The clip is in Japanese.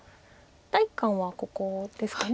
第一感はここですか。